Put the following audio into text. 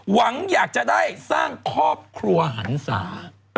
หวังอยากจะได้สร้างครอบครัวหันศา